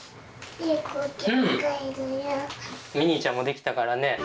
ミニーちゃんもできたからね。